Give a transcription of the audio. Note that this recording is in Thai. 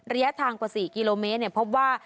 ระยะทางกว่า๔กิโลเมตรพบว่า